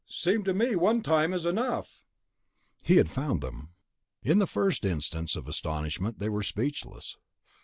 Seems to me one time is enough." He had found them. 10. The Trigger In the first instance of astonishment they were speechless.